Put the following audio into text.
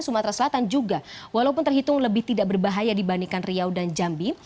sumatera selatan juga walaupun terhitung lebih tidak berbahaya dibandingkan riau dan jambi